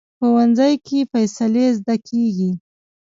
ښوونځی کې ښې فیصلې زده کېږي